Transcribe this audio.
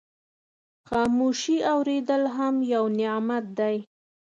خاموشي اورېدل هم یو نعمت دی.